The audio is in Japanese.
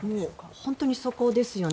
本当にそこですよね。